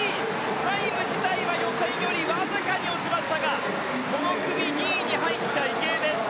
タイム自体は予選よりわずかに落ちましたがこの組２位に入った池江です。